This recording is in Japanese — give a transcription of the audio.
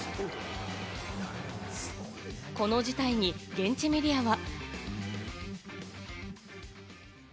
この事態に現地メディアは。